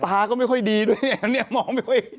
ตาก็ไม่ค่อยดีด้วยเนี่ยมองไม่ค่อย